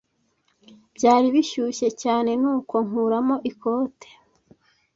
Byari bishyushye cyane, nuko nkuramo ikoti.